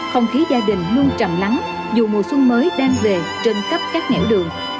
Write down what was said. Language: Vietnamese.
không khí gia đình luôn trầm lắng dù mùa xuân mới đang về trên khắp các nhãn đường